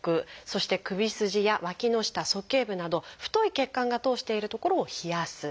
そして首筋やわきの下そけい部など太い血管が通している所を冷やす。